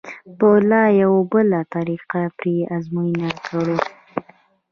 به لا یوه بله طریقه پرې ازموینه کړو.